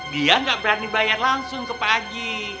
dia gak berani bayar langsung ke pak ji